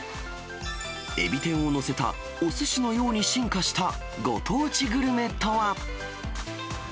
エビ天を載せたおすしのように進化したご当地グルメとは。